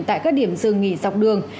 tại các điểm dừng nghỉ dọc đường